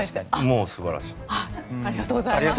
もう素晴らしい。